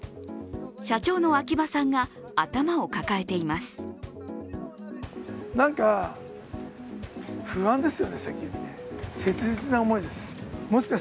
社長の秋葉さんが頭を抱えています。